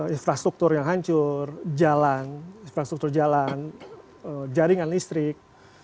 infrastruktur yang hancur jalan jaringan listrik